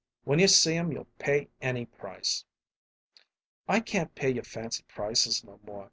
When you see 'em you'll pay any price." "I can't pay your fancy prices no more.